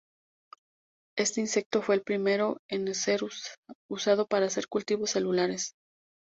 Este insecto fue el primero en ser usado para hacer cultivos celulares.